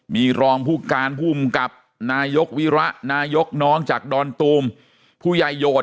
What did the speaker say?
มีรองผู้การภูมิกับนายกวิระนายกน้องจากดอนตูมผู้ใหญ่โหด